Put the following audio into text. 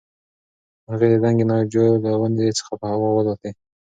مرغۍ د دنګې ناجو له ونې څخه په هوا والوتې.